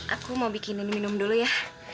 aku mau bikin ini minum dulu ya